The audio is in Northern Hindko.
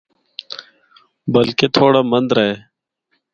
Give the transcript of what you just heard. بلکہ تھوڑا مَندرہ اے۔